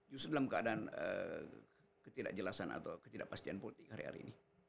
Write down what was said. justru dalam keadaan ketidakjelasan atau ketidakpastian politik hari hari ini